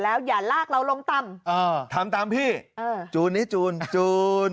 แล้วอย่าลากเราลงต่ำอ่าทำตามพี่เออจูนนี้จูนจูน